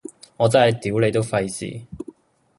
我真係屌你都費事